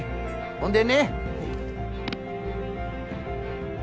ほんでね。